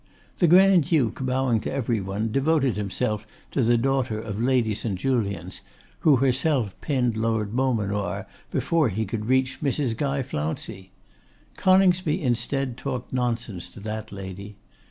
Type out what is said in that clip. The Grand duke, bowing to every one, devoted himself to the daughter of Lady St. Julians, who herself pinned Lord Beaumanoir before he could reach Mrs. Guy Flouncey. Coningsby instead talked nonsense to that lady.